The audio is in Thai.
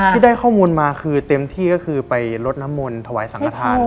ที่ได้ข้อมูลมาคือเต็มที่ก็คือไปลดน้ำมนต์ถวายสังขทาน